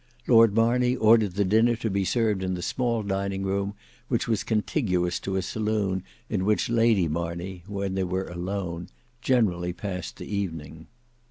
Lord Marney ordered the dinner to be served in the small dining room, which was contiguous to a saloon in which Lady Marney, when they were alone, generally passed the evening.